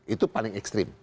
itu paling ekstrim